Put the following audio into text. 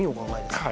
はい。